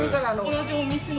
同じお店の？